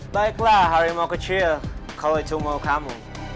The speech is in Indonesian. baiklah harimau kecil kalau itu mau kamu